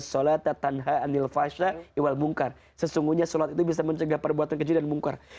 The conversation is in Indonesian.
sesungguhnya sholat itu bisa mencegah perbuatan kecil dan mungkar